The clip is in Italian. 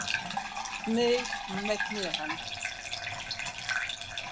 Nate McMillan